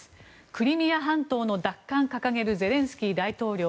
クリミア半島の奪還掲げるゼレンスキー大統領。